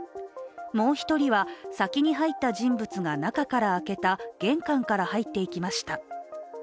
もう一人は、先に入った人物が中から開けた玄関から入っていきました。